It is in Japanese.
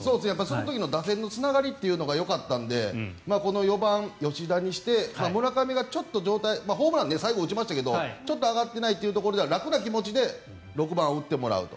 その時の打線のつながりというのがよかったのでこの４番、吉田にして村上がちょっと状態ホームラン最後打ちましたけどちょっと上がってないというところで楽な気持ちで６番を打ってもらうと。